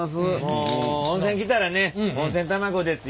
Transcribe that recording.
温泉来たらね温泉卵ですよ。